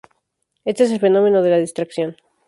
Este es el fenómeno de la difracción.